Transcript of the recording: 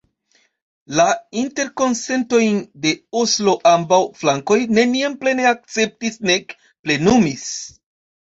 La Interkonsentojn de Oslo ambaŭ flankoj neniam plene akceptis nek plenumis.